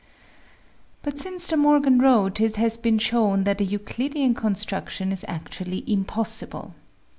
But since De Morgan wrote, it has been shown that a Euclidean construction is actually impossible.